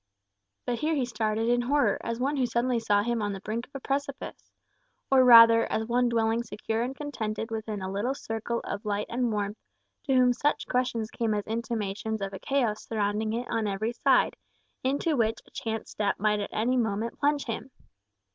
But here he started in horror, as one who suddenly saw himself on the brink of a precipice. Or rather, as one dwelling secure and contented within a little circle of light and warmth, to whom such questions came as intimations of a chaos surrounding it on every side, into which a chance step might at any moment plunge him.